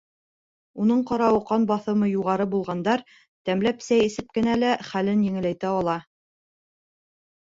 Уның ҡарауы, ҡан баҫымы юғары булғандар тәмләп сәй эсеп кенә лә хәлен еңеләйтә ала.